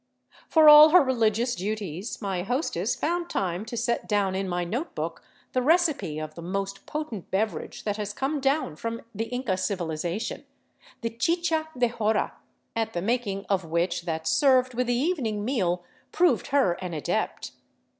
For all her religious duties my hostess found time to set down in my note book the recipe of the most potent beverage that has come down from the Inca civilization, — the chicha de jora, at the making of which that served with the evening meal proved her an adept.